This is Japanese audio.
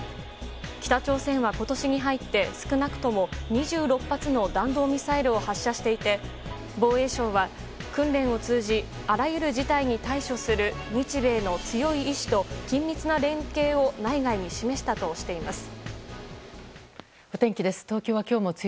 北朝鮮は今年に入って少なくとも２６発の弾道ミサイルを発射していて防衛省は訓練を通じあらゆる事態に対処する日米の強い意志と緊密な連携を内外に示したとしています。